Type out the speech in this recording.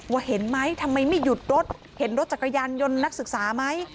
ว่าเห็นไหมทำไมไม่หยุดรถเห็นรถจักรยานยนต์นักศึกษาไหม